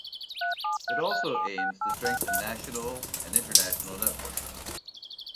It also aims to strengthen national and international networks.